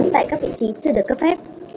tại các vị trí chưa được cấp phép